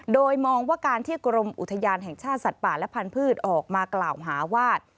โดยมองว่าการที่กรมอุทยานแห่งชาติสัตว์ป่าและพันธุ์ออกมากล่าวหาว่า